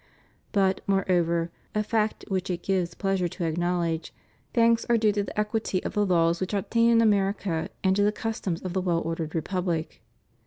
But, moreover (a fact which it gives pleasure to acknowledge), thanks are due to the equity of the laws which obtain in America and to the customs of the well ordered Republic.